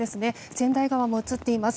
千代川も映っています。